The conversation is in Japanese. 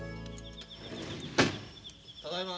ただいま。